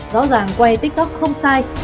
rõ ràng quay tiktok không sai